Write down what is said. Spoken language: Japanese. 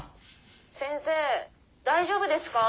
「先生大丈夫ですか？」。